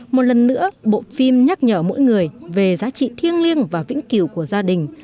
một lần nữa bộ phim nhắc nhở mỗi người về giá trị thiêng liêng và vĩnh cửu của gia đình